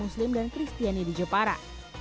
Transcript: muslim dan kristiani di jepara